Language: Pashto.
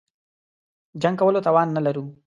جنګ کولو توان نه لرو.